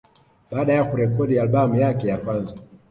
Baada ya kurekodi albamu yake ya kwanza